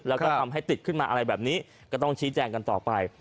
แล้วก็ทำให้ติดขึ้นมาอะไรแบบนี้ก็ต้องชี้แจงกันต่อไป